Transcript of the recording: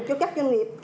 cho các doanh nghiệp